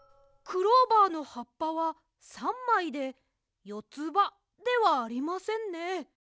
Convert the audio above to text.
クローバーのはっぱは３まいでよつばではありませんね。